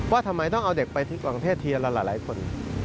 ว่าทำไมต้องเอาเด็กไปกลางเทศทีอาหารหลายคน